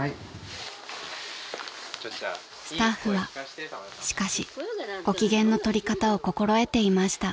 ［スタッフはしかしご機嫌の取り方を心得ていました］